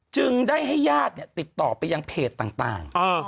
จึงได้ให้ญาติติดต่อไปยังเพจต่าง